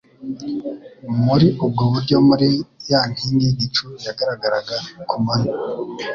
Muri ubwo buryo muri ya nkingi y'igicu yagaragaraga ku manywa,